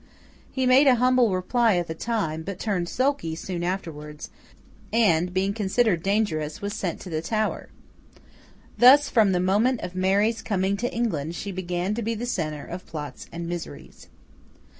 He made a humble reply at the time; but turned sulky soon afterwards, and, being considered dangerous, was sent to the Tower. Thus, from the moment of Mary's coming to England she began to be the centre of plots and miseries.